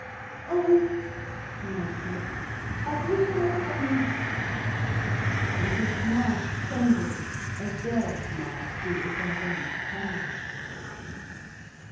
'Oh!' cried Philip, 'I wish I hadn't.' And his mouth trembled as girls' mouths do if they are going to cry.